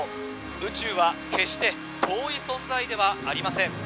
宇宙は決して遠い存在ではありません。